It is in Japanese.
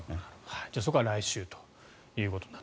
そこは来週と。